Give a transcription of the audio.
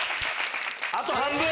あと半分！